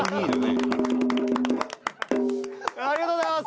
「ありがとうございます」